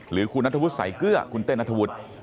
หรือคุณนัทธวุฒิสายเกลือคุณเต้นนัทธวุฒิ